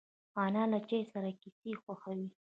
انا له چای سره کیسې خوښوي